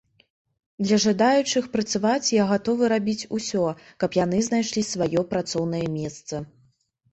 Для жадаючых працаваць я гатовы рабіць усё, каб яны знайшлі сваё працоўнае месца.